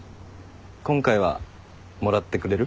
今回はもらってくれる？